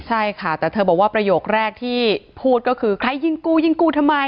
ใช่ค่ะแต่เธอบอกว่าประโยคแรกที่พูดก็คือใครยิงกูยิงกูทำไม